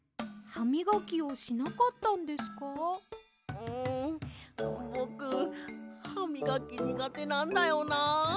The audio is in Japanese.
うんぼくハミガキにがてなんだよな。